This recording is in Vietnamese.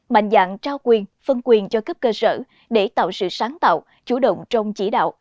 mạnh dạng trao quyền phân quyền cho cấp cơ sở để tạo sự sáng tạo chủ động trong chỉ đạo